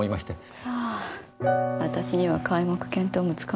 さあ私には皆目見当もつかないけど。